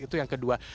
itu yang kedua